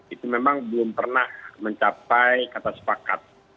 itu memang belum pernah mencapai kata sepakat